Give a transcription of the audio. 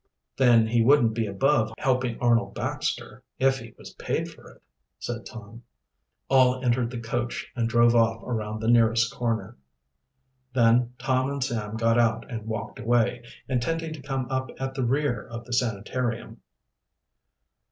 "Then he wouldn't be above helping Arnold Baxter if he was paid for it," said Tom. All entered the coach and drove off around the nearest corner. Then Tom and Sam got out and walked away, intending to come up at the rear of the sanitarium.